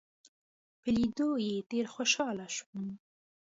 په لیدو یې ډېر خوشاله شوم.